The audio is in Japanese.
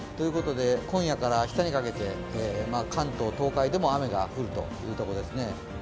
今夜から明日にかけて関東、東海でも雨が降るというところですね。